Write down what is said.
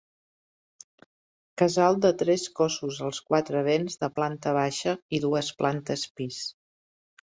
Casal de tres cossos als quatre vents de planta baixa i dues plantes pis.